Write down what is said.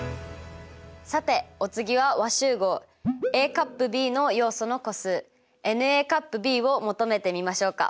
さてお次は和集合Ａ∪Ｂの要素の個数ｎを求めてみましょうか。